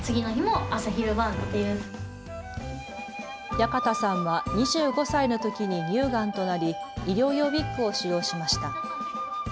矢方さんは２５歳のときに乳がんとなり医療用ウイッグを使用しました。